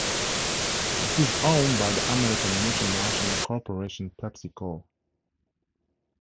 It is owned by the American multinational corporation, PepsiCo.